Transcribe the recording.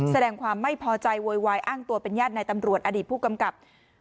แสดงความไม่พอใจโวยวายอ้างตัวเป็นญาติในตำรวจอดีตผู้กำกับ